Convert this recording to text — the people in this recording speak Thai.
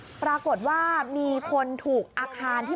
บ้านมันถล่มมานะฮะคุณผู้ชมมาล่าสุดมีผู้เสียชีวิตด้วยแล้วก็มีคนติดอยู่ภายในด้วย